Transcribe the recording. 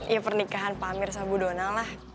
ya pernikahan pak amir sama bu dona lah